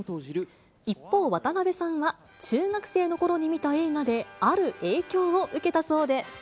一方、渡辺さんは、中学生のころに見た映画で、ある影響を受けたそうで。